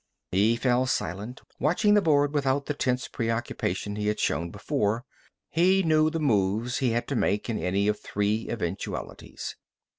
He fell silent, watching the board without the tense preoccupation he had shown before. He knew the moves he had to make in any of three eventualities.